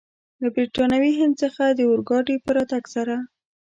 له برټانوي هند څخه د اورګاډي په راتګ سره.